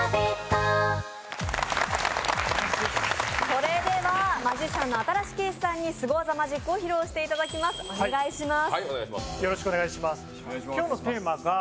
それではマジシャンの新子景視さんにすご技マジックを披露していただきます、お願いします。